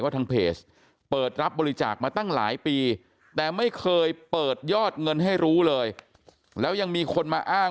ทางเพจเปิดรับบริจาคมาตั้งหลายปีแต่ไม่เคยเปิดยอดเงินให้รู้เลยแล้วยังมีคนมาอ้าง